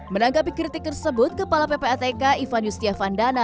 menanggapi kritik tersebut kepala ppatk ivan yustiavan dana